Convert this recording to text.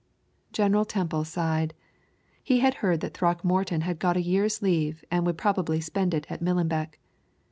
General Temple sighed. He had heard that Throckmorton had got a year's leave and would probably spend it at Millenbeck.